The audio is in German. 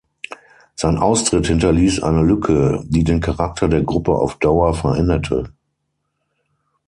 Sein Austritt hinterließ eine Lücke, die den Charakter der Gruppe auf Dauer veränderte.